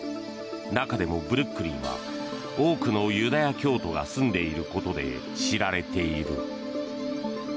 中でもブルックリンは多くのユダヤ教徒が住んでいることで知られている。